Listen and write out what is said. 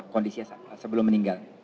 kondisi sebelum meninggal